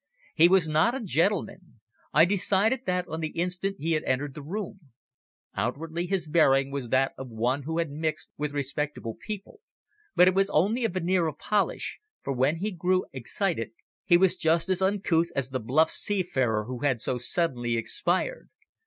He was not a gentleman. I decided that on the instant he had entered the room. Outwardly his bearing was that of one who had mixed with respectable people, but it was only a veneer of polish, for when he grew excited he was just as uncouth as the bluff seafarer who had so suddenly expired.